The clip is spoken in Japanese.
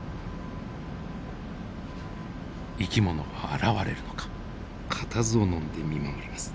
生き物は現れるのか固唾をのんで見守ります。